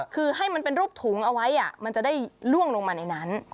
คือให้มันเป็นรูปถุงเอาไว้มันจะได้ล่วงลงมาในนั้น